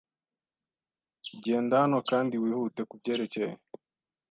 Genda hano kandi wihute kubyerekeye!